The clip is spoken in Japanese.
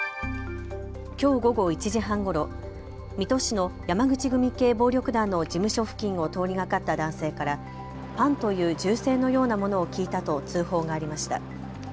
きょう午後１時半ごろ、水戸市の山口組系暴力団の事務所付近を通りがかった男性からパンという銃声のようなものを聞いたと通報がありました。